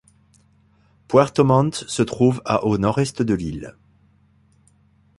Puerto Montt se trouve à au nord-est de l'île.